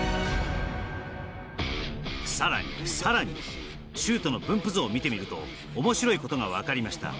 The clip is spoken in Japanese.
更に更に、シュートの分布図を見てみると面白いことが分かりました。